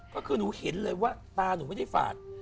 ก็คือหนูเห็นเลยว่าตาหนูไม่ได้ฝาด